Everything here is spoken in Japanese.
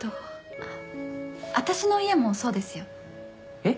あっ私の家もそうですよ。えっ？